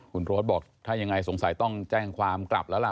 คุณโรธบอกถ้ายังไงสงสัยต้องแจ้งความกลับแล้วล่ะ